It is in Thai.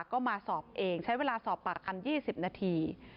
ก็มาสอบเองใช้เวลาสอบปากคำ๒๐นาที